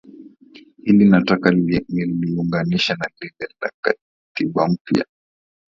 Hili nataka niliunganishe na lile la Katiba Mpya